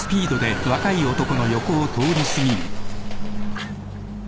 あっ。